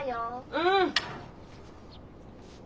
うん。